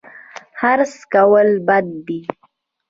حرص کول بد دي